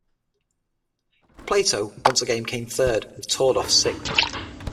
Plato once again came third, with Tordoff sixth.